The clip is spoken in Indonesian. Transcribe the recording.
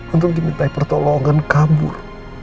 untuk diminta pertolongan kabur